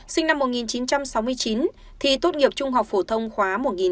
sinh năm một nghìn chín trăm sáu mươi chín thì tốt nghiệp trung học phổ thông khóa một nghìn chín trăm tám mươi bảy